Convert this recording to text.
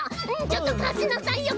ちょっと貸しなさいよ